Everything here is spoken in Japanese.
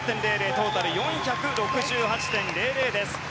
トータル４６８．００です。